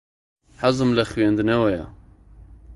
حەزم لە خوێندنەوەیە.